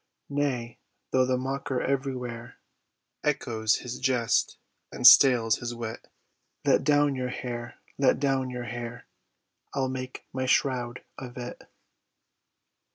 122 TO MELISANDE Nay, though the mocker everywhere Echoes his jest and stales his wit, Let down your hair, let down your hair, I'll make my shroud of it.